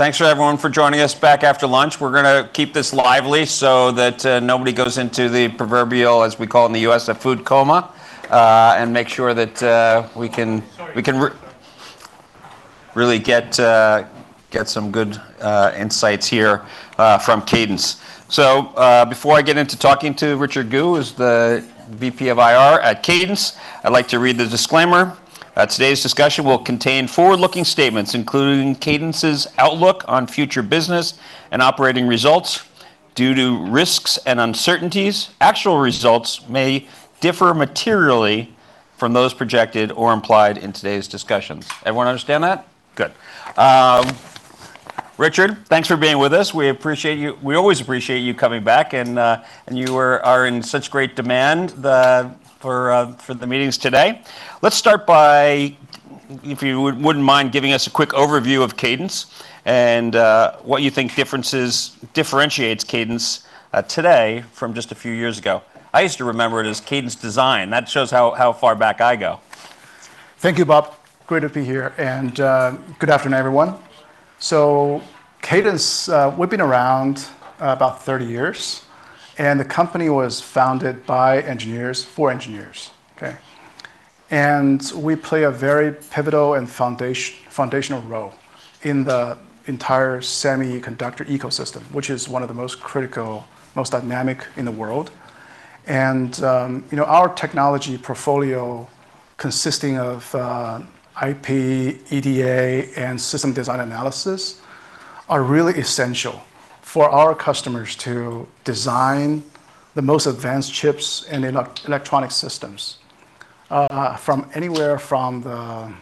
Thanks everyone for joining us back after lunch. We're going to keep this lively so that nobody goes into the proverbial, as we call it in the U.S., a food coma, and make sure that we can. Sorry We can really get some good insights here from Cadence. Before I get into talking to Richard Gu, who's the VP of IR at Cadence, I'd like to read the disclaimer. Today's discussion will contain forward-looking statements, including Cadence's outlook on future business and operating results. Due to risks and uncertainties, actual results may differ materially from those projected or implied in today's discussions. Everyone understand that? Good. Richard, thanks for being with us. We appreciate you. We always appreciate you coming back, and you are in such great demand for the meetings today. Let's start by, if you wouldn't mind giving us a quick overview of Cadence and what you think differentiates Cadence today from just a few years ago. I used to remember it as Cadence Design. That shows how far back I go. Thank you, Bob. Great to be here, and good afternoon, everyone. Cadence, we've been around about 30 years, and the company was founded by engineers for engineers. Okay. We play a very pivotal and foundational role in the entire semiconductor ecosystem, which is one of the most critical, most dynamic in the world. Our technology portfolio consisting of IP, EDA, and system design analysis are really essential for our customers to design the most advanced chips and electronic systems, from anywhere from the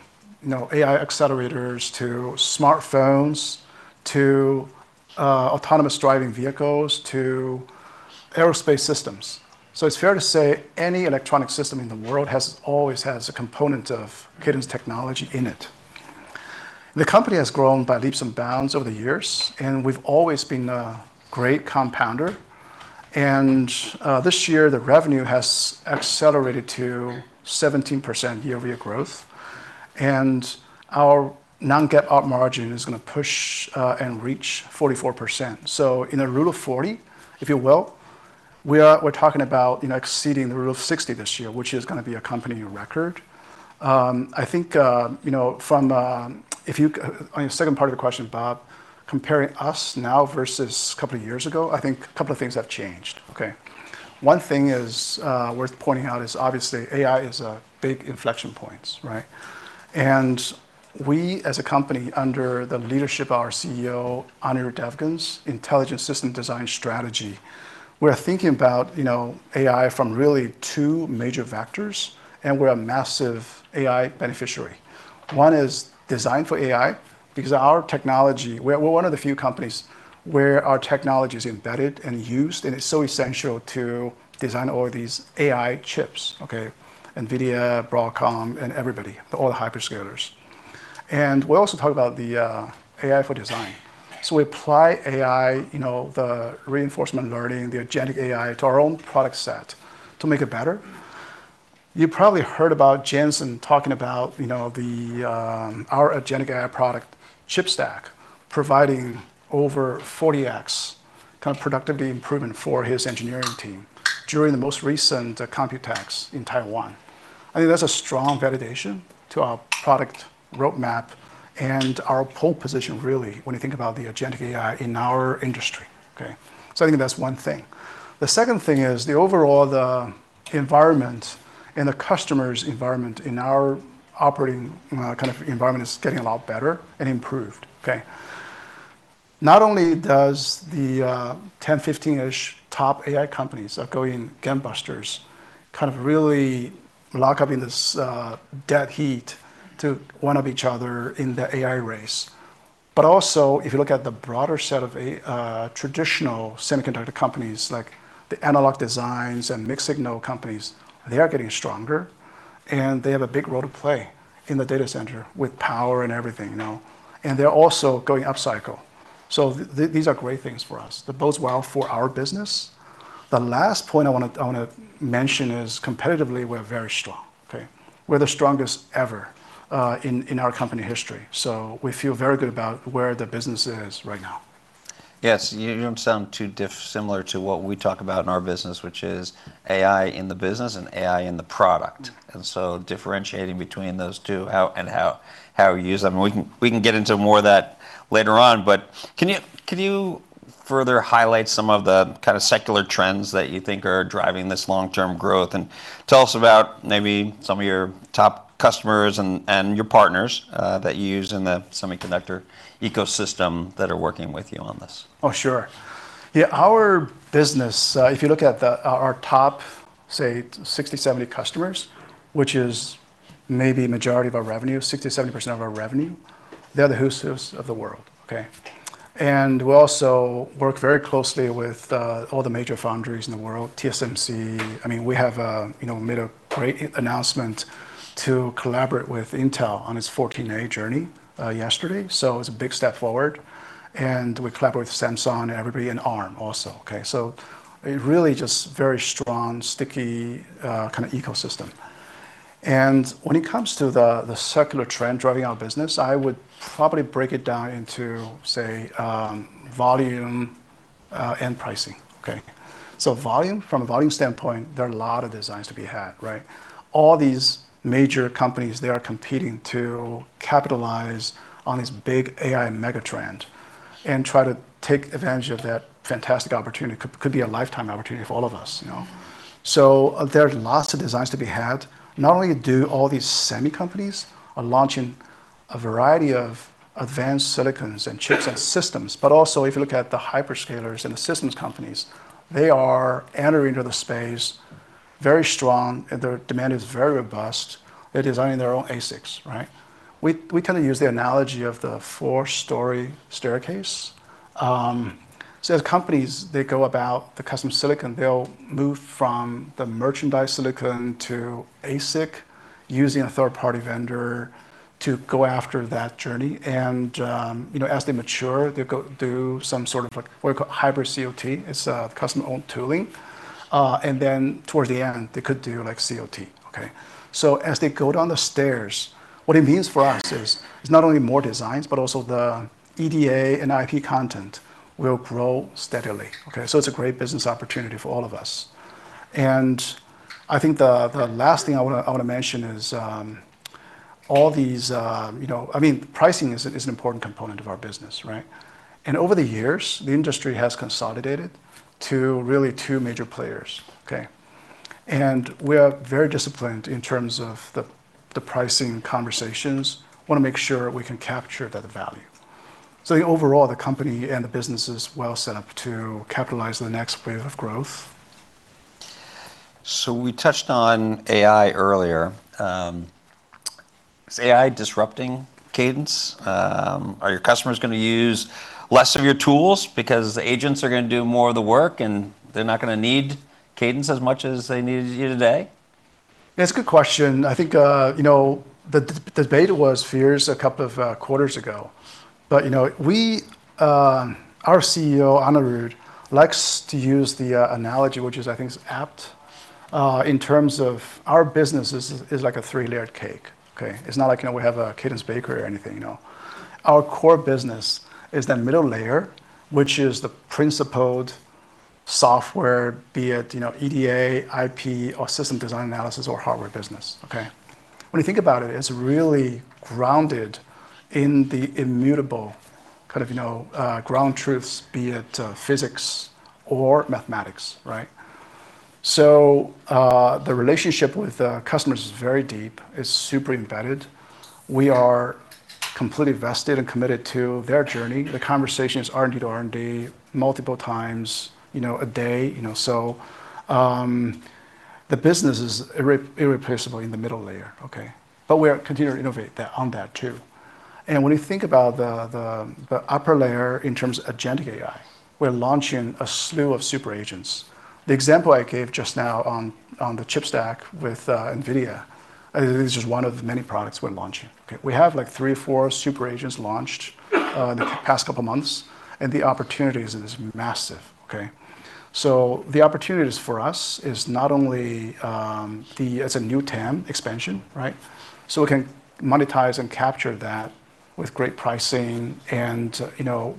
AI accelerators, to smartphones, to autonomous driving vehicles, to aerospace systems. It's fair to say any electronic system in the world always has a component of Cadence technology in it. The company has grown by leaps and bounds over the years, and we've always been a great compounder, and this year, the revenue has accelerated to 17% year-over-year growth. Our non-GAAP margin is going to push and reach 44%. In a rule of 40, if you will, we're talking about exceeding the rule of 60 this year, which is going to be a company record. I think, on your second part of the question, Bob, comparing us now versus a couple of years ago, I think a couple of things have changed. Okay. One thing is worth pointing out is obviously AI is a big inflection point, right? We, as a company, under the leadership of our CEO Anirudh Devgan's intelligent system design strategy, we're thinking about AI from really two major vectors, and we're a massive AI beneficiary. One is design for AI, because our technology, we're one of the few companies where our technology is embedded and used, and it's so essential to design all these AI chips, NVIDIA, Broadcom, and everybody, all the hyperscalers. We also talk about the AI for design. We apply AI, the reinforcement learning, the agentic AI, to our own product set to make it better. You probably heard about Jensen talking about our agentic AI product, ChipStack, providing over 40x productivity improvement for his engineering team during the most recent Computex in Taiwan. I think that's a strong validation to our product roadmap and our pole position, really, when you think about the agentic AI in our industry. I think that's one thing. The second thing is the overall environment and the customer's environment in our operating environment is getting a lot better and improved. Okay. Not only does the 10, 15-ish top AI companies are going gangbusters, really lock up in this dead heat to one-up each other in the AI race. Also, if you look at the broader set of traditional semiconductor companies, like the analog designs and mixed-signal companies, they are getting stronger and they have a big role to play in the data center with power and everything. They're also going up cycle. These are great things for us. They're both well for our business. The last point I want to mention is competitively, we're very strong. Okay. We're the strongest ever in our company history. We feel very good about where the business is right now. Yes, you sound too similar to what we talk about in our business, which is AI in the business and AI in the product, differentiating between those two and how we use them. We can get into more of that later on, but can you further highlight some of the secular trends that you think are driving this long-term growth? Tell us about maybe some of your top customers and your partners that you use in the semiconductor ecosystem that are working with you on this. Oh, sure. Yeah, our business, if you look at our top, say 60, 70 customers, which is maybe majority of our revenue, 60%-70% of our revenue, they are the Who's Whos of the world. Okay. We also work very closely with all the major foundries in the world, TSMC. We made a great announcement to collaborate with Intel on its 14A journey yesterday, so it's a big step forward. We collaborate with Samsung and everybody, and Arm also. Okay, a really just very strong, sticky ecosystem. When it comes to the secular trend driving our business, I would probably break it down into, say, volume and pricing. Okay. Volume, from a volume standpoint, there are a lot of designs to be had, right? All these major companies, they are competing to capitalize on this big AI mega trend and try to take advantage of that fantastic opportunity. Could be a lifetime opportunity for all of us. There's lots of designs to be had. Not only do all these semi companies are launching a variety of advanced silicons and chips and systems, but also, if you look at the hyperscalers and the systems companies, they are entering into the space very strong, and their demand is very robust. They're designing their own ASICs, right? We use the analogy of the four-story staircase. As companies, they go about the custom silicon, they'll move from the merchandise silicon to ASIC using a third-party vendor to go after that journey. As they mature, they go do some sort of what we call hybrid COT. It's a custom owned tooling. Towards the end, they could do COT. As they go down the stairs, what it means for us is, it's not only more designs, but also the EDA and IP content will grow steadily. It's a great business opportunity for all of us. I think the last thing I want to mention is, pricing is an important component of our business, right? Over the years, the industry has consolidated to really two major players. We are very disciplined in terms of the pricing conversations. Want to make sure we can capture the value. Overall, the company and the business is well set up to capitalize on the next wave of growth. We touched on AI earlier. Is AI disrupting Cadence? Are your customers going to use less of your tools because the agents are going to do more of the work and they're not going to need Cadence as much as they needed you today? It's a good question. The debate was fierce a couple of quarters ago. Our CEO, Anirudh, likes to use the analogy, which is I think is apt, in terms of our business is like a three-layered cake. It's not like we have a Cadence bakery or anything. Our core business is that middle layer, which is the principled software, be it EDA, IP, or system design analysis or hardware business. When you think about it's really grounded in the immutable ground truths, be it physics or mathematics, right? The relationship with customers is very deep, it's super embedded. We are completely vested and committed to their journey. The conversation is R&D to R&D multiple times a day. The business is irreplaceable in the middle layer. We are continuing to innovate on that, too. When we think about the upper layer in terms of agentic AI, we're launching a slew of super agents. The example I gave just now on the ChipStack with NVIDIA, it is just one of many products we're launching. Okay. We have three or four super agents launched in the past couple of months, and the opportunity is massive. Okay. The opportunities for us is not only as a new TAM expansion, right? We can monetize and capture that with great pricing and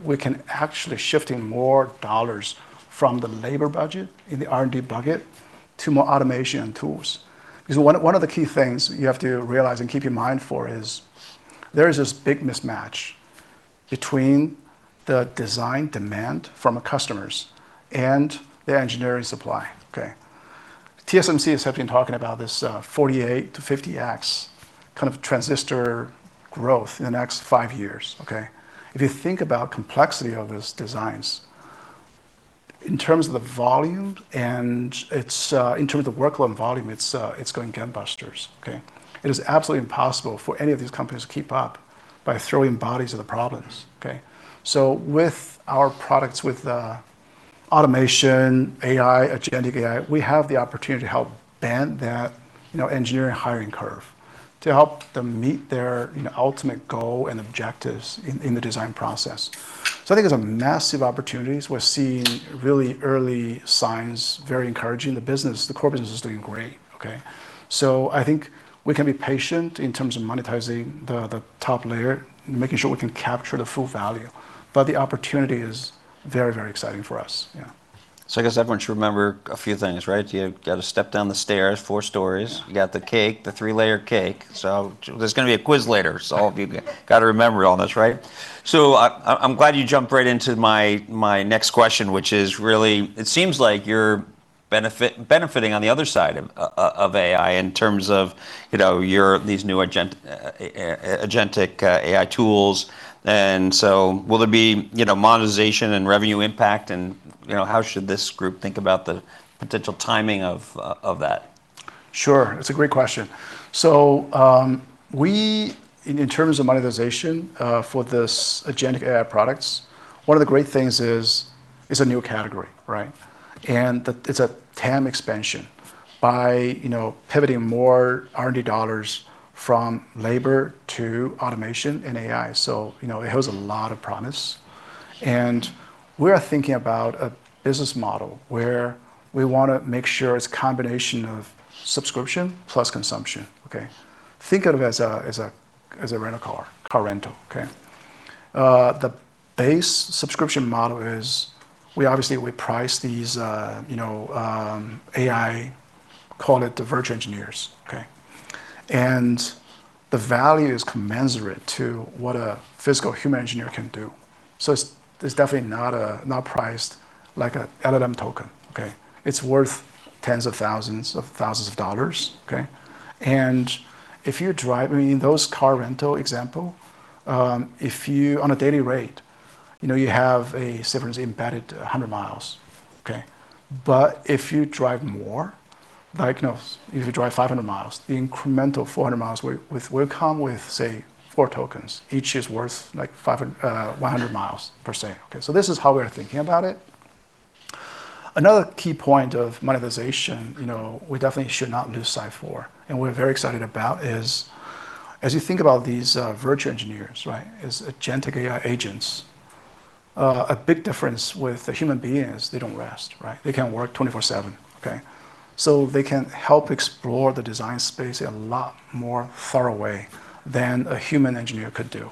we can actually shift in more dollars from the labor budget, in the R&D budget, to more automation and tools. Because one of the key things you have to realize and keep in mind for is there is this big mismatch between the design demand from our customers and the engineering supply. Okay. TSMC has been talking about this 48x-50x kind of transistor growth in the next five years. Okay. If you think about complexity of those designs, in terms of the workload volume, it's going gangbusters. Okay. It is absolutely impossible for any of these companies to keep up by throwing bodies at the problems. Okay. With our products, with automation, AI, agentic AI, we have the opportunity to help bend that engineering hiring curve to help them meet their ultimate goal and objectives in the design process. I think there's some massive opportunities. We're seeing really early signs, very encouraging. The core business is doing great. Okay. I think we can be patient in terms of monetizing the top layer and making sure we can capture the full value. The opportunity is very exciting for us. Yeah. I guess everyone should remember a few things, right? You got to step down the stairs, four stories. You got the cake, the three-layer cake. There's going to be a quiz later. All of you got to remember all this, right? I'm glad you jumped right into my next question, which is really, it seems like you're benefiting on the other side of AI in terms of these new agentic AI tools. Will there be monetization and revenue impact and how should this group think about the potential timing of that? Sure. It's a great question. In terms of monetization for this agentic AI products, one of the great things is, it's a new category, right? That it's a TAM expansion by pivoting more R&D dollars from labor to automation and AI. It holds a lot of promise. We are thinking about a business model where we want to make sure it's combination of subscription plus consumption. Okay. Think of it as a car rental, okay? The base subscription model is we obviously price these AI, call it the virtual engineers. The value is commensurate to what a physical human engineer can do. It's definitely not priced like an LLM token. It's worth tens of thousands of dollars. In those car rental example, on a daily rate, you have a Siemens embedded 100 mi. If you drive more, if you drive 500 mi, the incremental 400 mi will come with, say, 4 tokens. Each is worth 100 mi per se. This is how we are thinking about it. Another key point of monetization, we definitely should not lose sight for, and we're very excited about is, as you think about these virtual engineers, as agentic AI agents, a big difference with a human being is they don't rest. They can work 24/7. They can help explore the design space a lot more far away than a human engineer could do.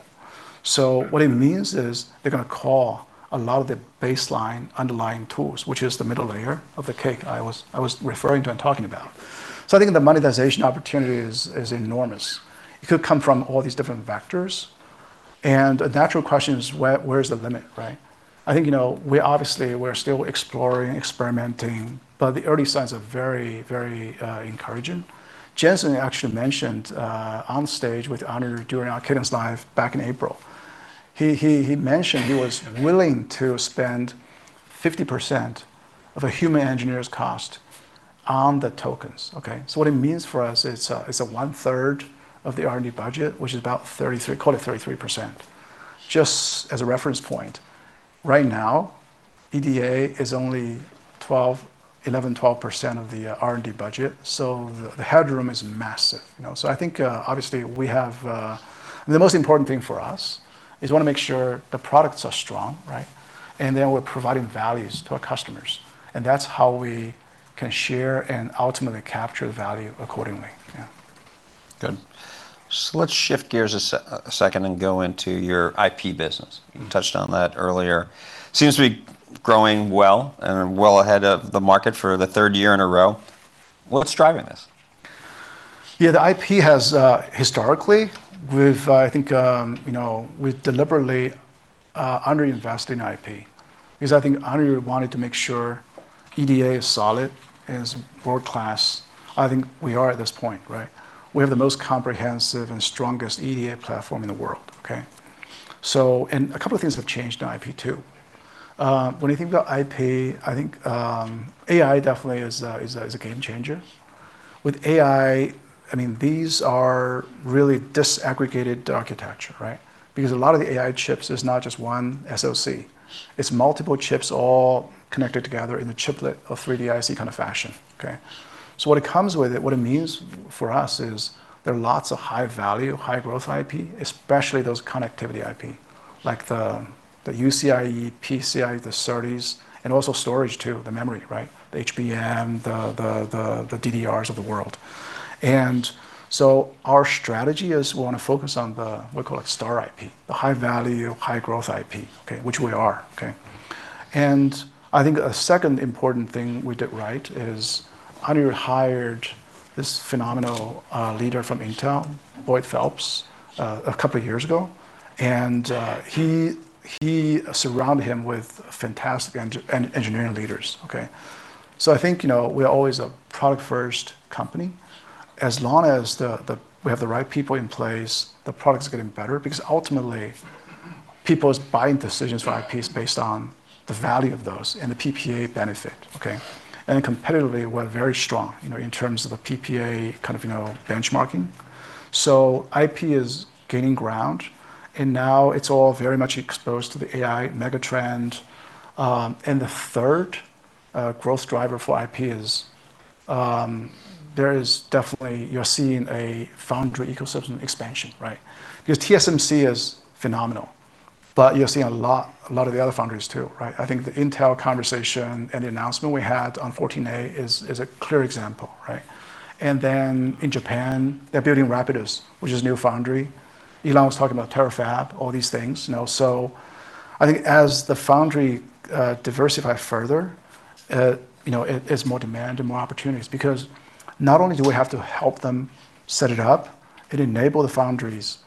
What it means is they're going to call a lot of the baseline underlying tools, which is the middle layer of the cake I was referring to and talking about. I think the monetization opportunity is enormous. It could come from all these different vectors. Good. A natural question is where is the limit? I think, obviously, we're still exploring, experimenting, but the early signs are very encouraging. Jensen actually mentioned onstage with Anirudh during our CadenceLIVE back in April. He mentioned he was willing to spend 50% of a human engineer's cost on the tokens. What it means for us, it's a one-third of the R&D budget, which is about, call it 33%. Just as a reference point, right now, EDA is only 11%, 12% of the R&D budget, the headroom is massive. I think obviously the most important thing for us is we want to make sure the products are strong. Then we're providing values to our customers, and that's how we can share and ultimately capture value accordingly. Good. Let's shift gears a second and go into your IP business. You touched on that earlier. Seems to be growing well, and well ahead of the market for the third year in a row. What's driving this? The IP has historically, we've deliberately under-invested in IP because I think Anirudh wanted to make sure EDA is solid, is world-class. I think we are at this point. We have the most comprehensive and strongest EDA platform in the world. A couple of things have changed in IP, too. When you think about IP, I think AI definitely is a game changer. With AI, these are really disaggregated architecture. Because a lot of the AI chips is not just one SoC. It's multiple chips all connected together in a chiplet or 3D IC kind of fashion. What it comes with it, what it means for us is there are lots of high value, high growth IP, especially those connectivity IP, like the UCIe, PCIe, the SERDES, and also storage, too, the memory. The HBM, the DDRs of the world. Our strategy is we want to focus on the, we call it star IP, the high value, high growth IP. Which we are. I think a second important thing we did right is Anirudh hired this phenomenal leader from Intel, Boyd Phelps, a couple of years ago. He surrounded him with fantastic engineering leaders. I think we are always a product-first company. As long as we have the right people in place, the product's getting better, because ultimately, people's buying decisions for IP is based on the value of those and the PPA benefit. Competitively, we're very strong, in terms of a PPA benchmarking. IP is gaining ground, and now it's all very much exposed to the AI mega trend. The third growth driver for IP is you're seeing a foundry ecosystem expansion. TSMC is phenomenal, but you're seeing a lot of the other foundries, too. I think the Intel conversation and the announcement we had on 14A is a clear example. In Japan, they're building Rapidus, which is new foundry. Elon was talking about Terafab, all these things. I think as the foundry diversify further, it's more demand and more opportunities because not only do we have to help them set it up and enable the foundries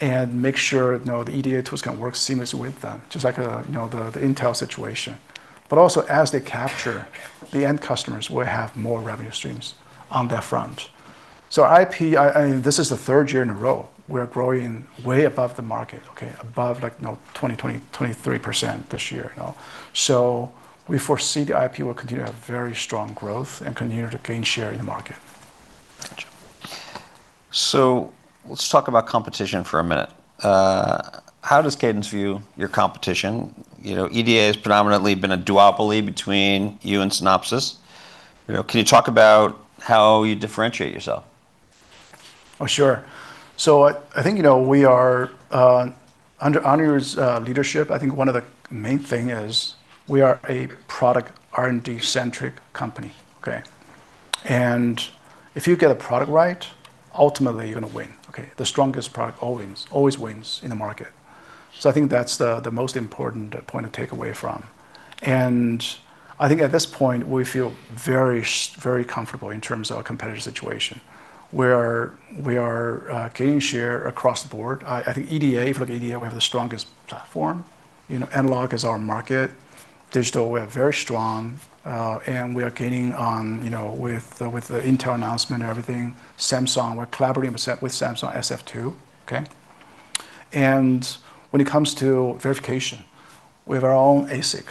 and make sure the EDA tools can work seamlessly with them, just like the Intel situation. As they capture the end customers, we'll have more revenue streams on that front. IP, this is the third year in a row, we are growing way above the market. Above 23% this year. We foresee the IP will continue to have very strong growth and continue to gain share in the market. Got you. Let's talk about competition for a minute. How does Cadence view your competition? EDA has predominantly been a duopoly between you and Synopsys. Can you talk about how you differentiate yourself? Oh, sure. I think under Anirudh's leadership, I think one of the main things is we are a product R&D-centric company. If you get a product right, ultimately, you're going to win. Okay. The strongest product always wins in the market. I think that's the most important point to take away from. I think at this point, we feel very comfortable in terms of our competitor situation, where we are gaining share across the board. I think EDA, for EDA, we have the strongest platform. Analog is our market. Digital, we are very strong, and we are gaining with the Intel announcement and everything. Samsung, we're collaborating with Samsung on SF2. Okay. When it comes to verification, we have our own ASIC.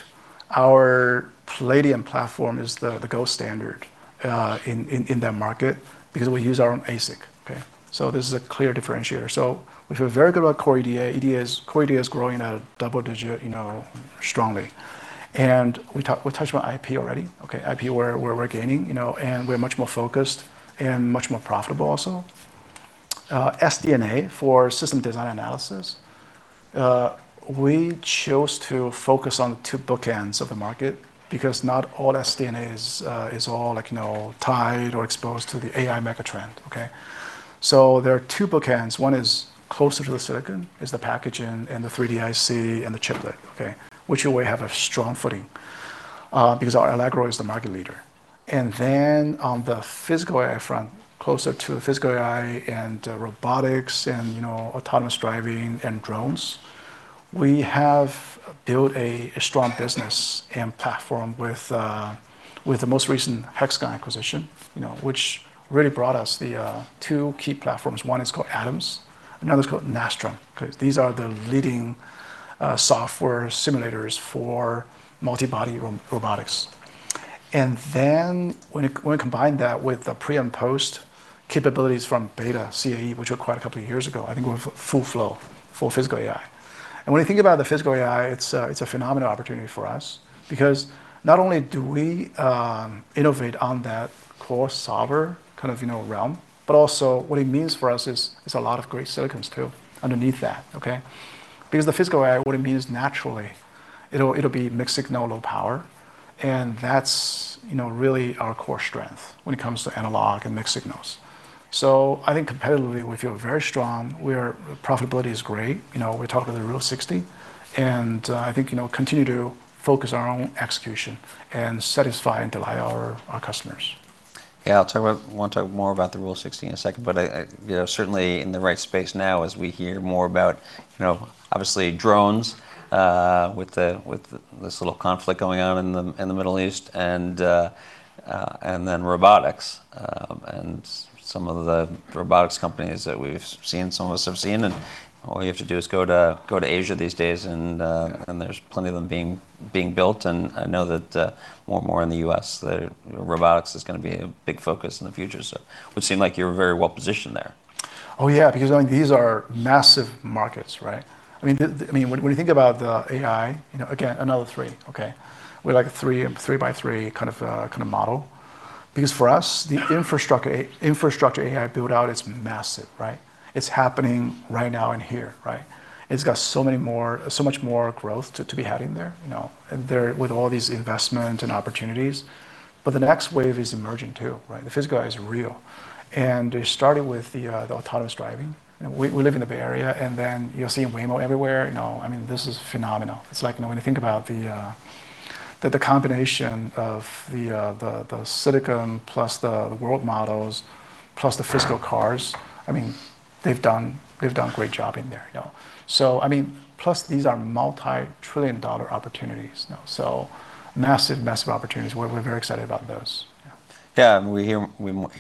Our Palladium platform is the gold standard in that market because we use our own ASIC. Okay. This is a clear differentiator. We feel very good about Core EDA. Core EDA is growing at a double-digit strongly. We touched about IP already. Okay. IP, where we're gaining, and we're much more focused and much more profitable also. SDA, for System Design and Analysis, we chose to focus on two bookends of the market because not all SDAs is all tied or exposed to the AI megatrend. Okay. There are two bookends. One is closer to the silicon, is the packaging and the 3D IC and the chiplet, okay, which we have a strong footing, because our Allegro is the market leader. Then on the physical AI front, closer to physical AI and robotics and autonomous driving and drones, we have built a strong business and platform with the most recent Hexagon acquisition which really brought us the two key platforms. One is called Adams, another is called Nastran. Okay. These are the leading software simulators for multibody robotics. Then when we combine that with the pre and post capabilities from Beta CAE, which acquired a couple of years ago, I think we have full flow for physical AI. When you think about the physical AI, it's a phenomenal opportunity for us because not only do we innovate on that core solver kind of realm, but also what it means for us is a lot of great silicon too underneath that. Okay. Because the physical AI, what it means naturally, it'll be mixed-signal, low-power, and that's really our core strength when it comes to analog and mixed-signals. So I think competitively, we feel very strong. Our profitability is great. We're talking the rule of 60, and I think continue to focus our own execution and satisfy and delight our customers. Yeah. I want to talk more about the rule of 60 in a second, but certainly in the right space now as we hear more about obviously drones with this little conflict going on in the Middle East and then robotics. Some of the robotics companies that some of us have seen, and all you have to do is go to Asia these days and there's plenty of them being built and I know that more and more in the U.S., the robotics is going to be a big focus in the future. Would seem like you're very well-positioned there. Oh, yeah, because these are massive markets, right? When you think about the AI, again, another three. Okay. We're like a three by three kind of model. For us, the infrastructure AI build-out is massive, right? It's happening right now in here, right? It's got so much more growth to be had in there with all these investment and opportunities. The next wave is emerging, too, right? The physical AI is real, and it started with the autonomous driving. We live in the Bay Area, and then you're seeing Waymo everywhere. This is phenomenal. It's like when you think about the combination of the silicon plus the world models plus the physical cars, they've done a great job in there. Plus these are multi-trillion-dollar opportunities now. Massive opportunities. We're very excited about those. Yeah. Yeah. We hear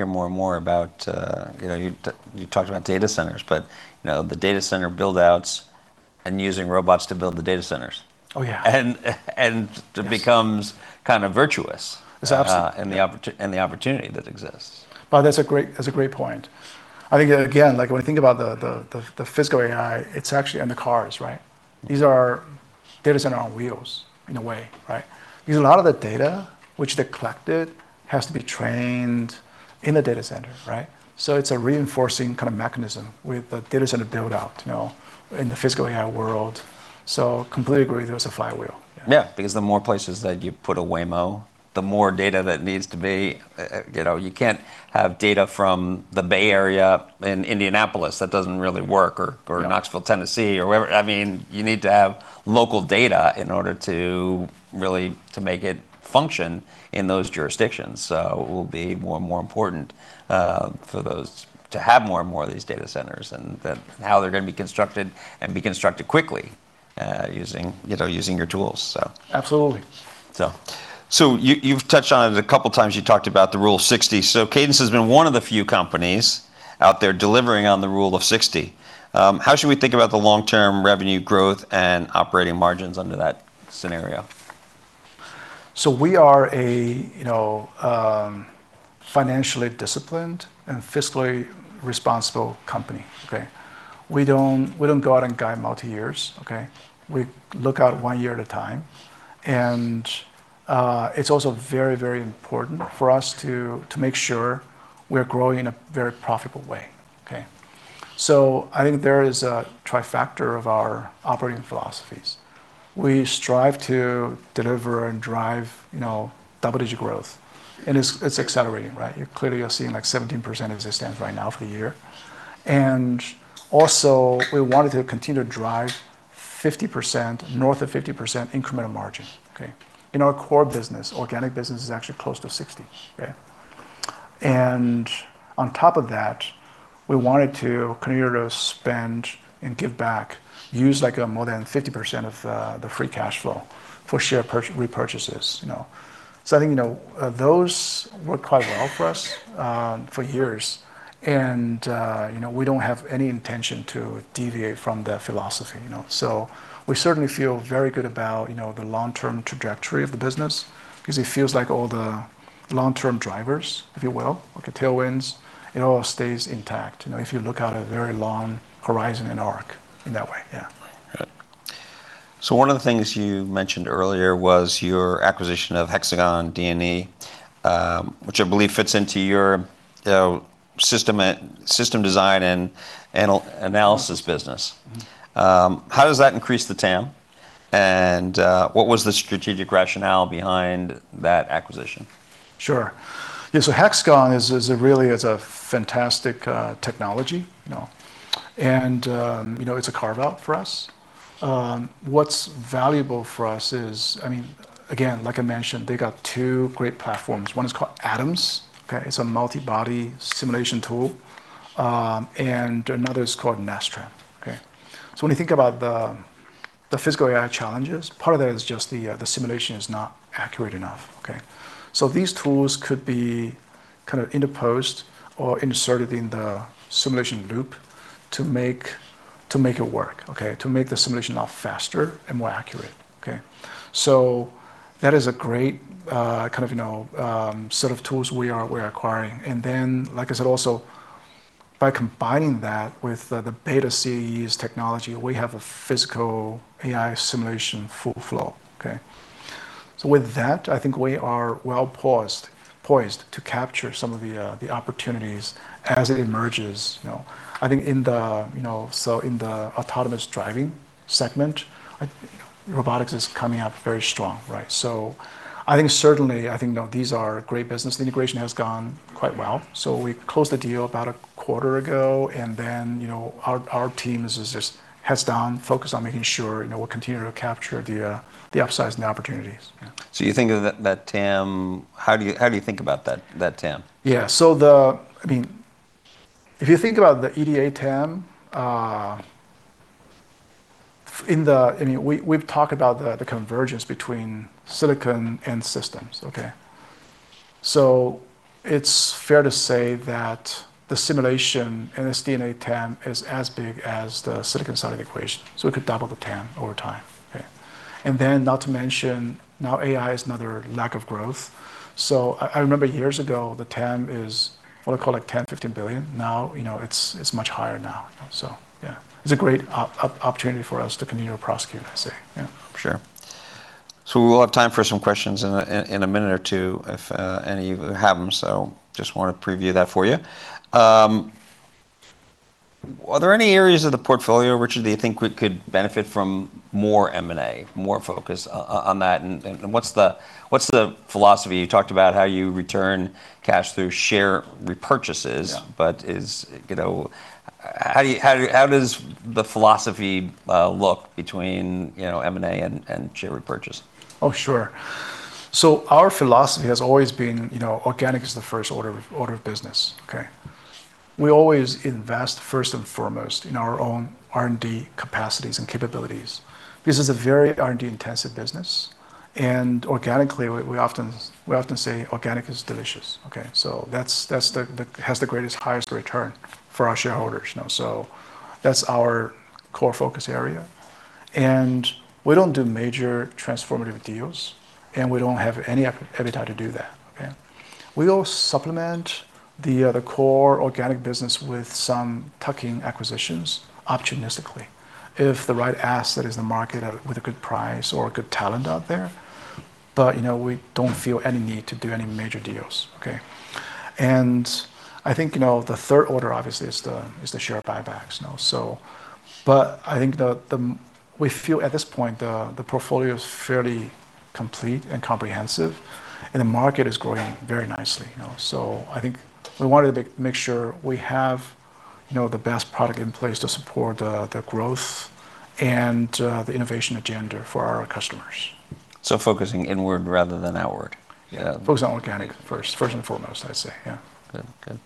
more and more about, you talked about data centers, but the data center build-outs and using robots to build the data centers. Oh, yeah. And- Yes it becomes kind of virtuous. It's absolute. Yeah. The opportunity that exists. That's a great point. I think, again, when you think about the physical AI, it's actually in the cars, right? These are data center on wheels in a way, right? Because a lot of the data which they collected has to be trained in the data center, right? It's a reinforcing kind of mechanism with the data center build-out in the physical AI world. Completely agree there's a flywheel. Yeah. Yeah, because the more places that you put a Waymo, the more data that needs to be. You can't have data from the Bay Area in Indianapolis. That doesn't really work. Yeah Knoxville, Tennessee or wherever. You need to have local data in order to really to make it function in those jurisdictions. It will be more and more important for those to have more and more of these data centers and then how they're going to be constructed and be constructed quickly using your tools. Absolutely. You've touched on it a couple times. You talked about the rule of 60. Cadence has been one of the few companies out there delivering on the rule of 60. How should we think about the long-term revenue growth and operating margins under that scenario? We are a financially disciplined and fiscally responsible company. Okay. We don't go out and guide multi years, okay? We look out one year at a time, and it's also very, very important for us to make sure we're growing in a very profitable way. Okay. I think there is a trifecta of our operating philosophies. We strive to deliver and drive double-digit growth, and it's accelerating. Clearly, you're seeing 17% as it stands right now for the year. Also, we wanted to continue to drive 50%, north of 50% incremental margin. In our core business, organic business is actually close to 60%. On top of that, we wanted to continue to spend and give back, use more than 50% of the free cash flow for share repurchases. I think those worked quite well for us for years. We don't have any intention to deviate from that philosophy. We certainly feel very good about the long-term trajectory of the business because it feels like all the long-term drivers, if you will, like the tailwinds, it all stays intact, if you look out at a very long horizon and arc in that way, yeah. Right. One of the things you mentioned earlier was your acquisition of Hexagon D&E, which I believe fits into your System Design and Analysis business. How does that increase the TAM, and what was the strategic rationale behind that acquisition? Sure. Yeah, Hexagon really is a fantastic technology, and it's a carve-out for us. What's valuable for us is, again, like I mentioned, they got two great platforms. One is called Adams. It's a multi-body simulation tool. Another is called Nastran. When you think about the physical AI challenges, part of that is just the simulation is not accurate enough. These tools could be interposed or inserted in the simulation loop to make it work, to make the simulation a lot faster and more accurate. That is a great set of tools we are acquiring. Then, like I said, also, by combining that with the BETA CAE's technology, we have a physical AI simulation full flow. With that, I think we are well-poised to capture some of the opportunities as it emerges. I think in the autonomous driving segment, robotics is coming up very strong. I think certainly, these are great business. The integration has gone quite well. We closed the deal about a quarter ago, and then our team is just heads down, focused on making sure we'll continue to capture the upsize and the opportunities. Yeah. How do you think about that TAM? Yeah. If you think about the EDA TAM, we've talked about the convergence between silicon and systems. It's fair to say that the simulation in this SDA TAM is as big as the silicon side of the equation, so it could double the TAM over time. Not to mention, now AI is another leg of growth. I remember years ago, the TAM is, what, like $10 billion, $15 billion. Now it's much higher now. Yeah, it's a great opportunity for us to continue to prosecute, I say. Yeah. Sure. We will have time for some questions in a minute or two if any of you have them, so just want to preview that for you. Are there any areas of the portfolio, Richard, that you think could benefit from more M&A, more focus on that, and what's the philosophy? You talked about how you return cash through share repurchases. Yeah How does the philosophy look between M&A and share repurchase? Sure. Our philosophy has always been organic is the first order of business. We always invest first and foremost in our own R&D capacities and capabilities. This is a very R&D-intensive business, and organically, we often say organic is delicious. That has the greatest, highest return for our shareholders. That's our core focus area. We don't do major transformative deals, and we don't have any appetite to do that. We will supplement the core organic business with some tuck-in acquisitions opportunistically if the right asset is in the market with a good price or a good talent out there, but we don't feel any need to do any major deals. I think the third order, obviously, is the share buybacks. I think we feel at this point, the portfolio is fairly complete and comprehensive, and the market is growing very nicely. I think we wanted to make sure we have the best product in place to support the growth and the innovation agenda for our customers. Focusing inward rather than outward. Yeah. Focusing on organic first and foremost, I'd say. Yeah. Good.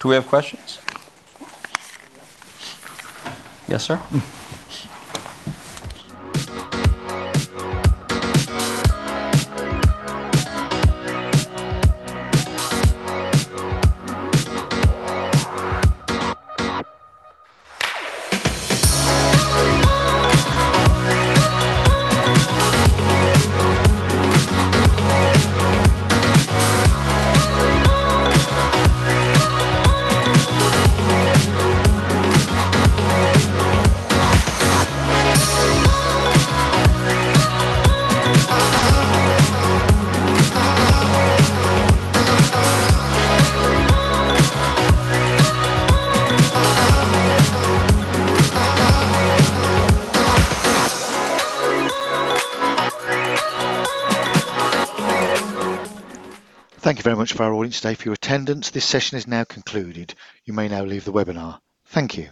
Do we have questions? Yes, sir. Thank you very much for our audience today for your attendance. This session is now concluded. You may now leave the webinar. Thank you.